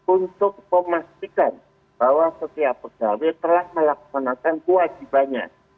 untuk memastikan bahwa setiap pegawai telah melaksanakan kewajibannya